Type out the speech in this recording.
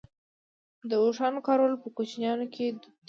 د اوښانو کارول په کوچیانو کې دود دی.